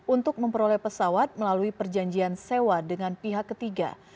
untuk memperoleh pesawat melalui perjanjian sewa dengan pihak ketiga